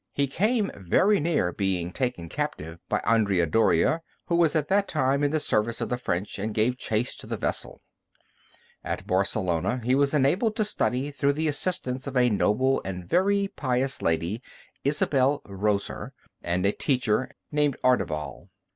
He came very near being taken captive by Andrea Dorea, who was at that time in the service of the French, and gave chase to the vessel. At Barcelona, he was enabled to study through the assistance of a noble and very pious lady, Isabel Roser, and a teacher, named Ardebal.